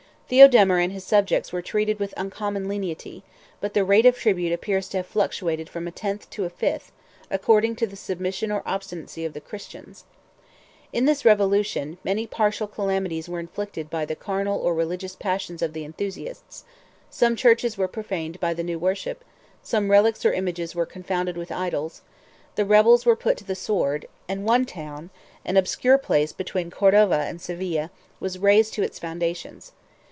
186 Theodemir and his subjects were treated with uncommon lenity; but the rate of tribute appears to have fluctuated from a tenth to a fifth, according to the submission or obstinacy of the Christians. 187 In this revolution, many partial calamities were inflicted by the carnal or religious passions of the enthusiasts: some churches were profaned by the new worship: some relics or images were confounded with idols: the rebels were put to the sword; and one town (an obscure place between Cordova and Seville) was razed to its foundations.